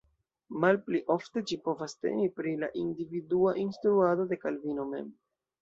Malpli ofte, ĝi povas temi pri la individua instruado de Kalvino mem.